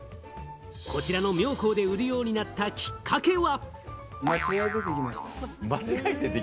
こちらの妙光で売るようになったきっかけは。